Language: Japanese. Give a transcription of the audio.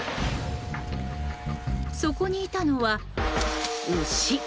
そこにいたのは、牛。